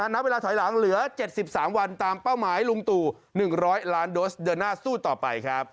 ณเวลาถอยหลังเหลือ๗๓วันตามเป้าหมายลุงตู่๑๐๐ล้านโดสเดินหน้าสู้ต่อไปครับ